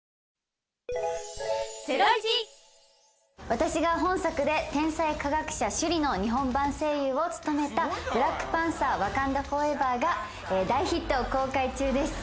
私が本作で天才科学者シュリの日本版声優を務めた『ブラックパンサー／ワカンダ・フォーエバー』が大ヒット公開中です。